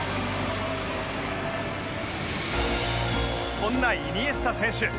そんなイニエスタ選手